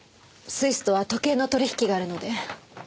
スイスとは時計の取引があるので。